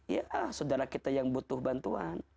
ya sudara kita yang butuh bantuan